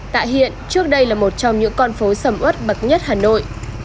tại hiện trước đây là một trong những con phố sầm út bậc nhất hà nội